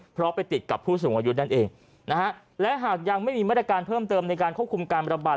เพราะไปติดกับผู้สูงอายุนั่นเองนะฮะและหากยังไม่มีมาตรการเพิ่มเติมในการควบคุมการระบาด